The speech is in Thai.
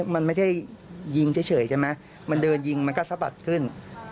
มันไม่ได้ยิงเฉยใช่ไหมมันเดินยิงมันก็สะบัดขึ้น